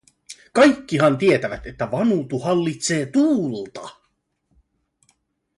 Kaikkihan tietävät, että Vanutu hallitsee tuulta!"